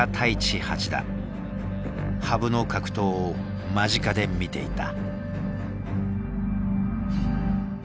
羽生の格闘を間近で見ていた。